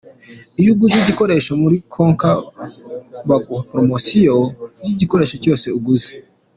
Iyo uguze igikoresho muri Konka baguha promosiyo ku gikoresho cyose uguze.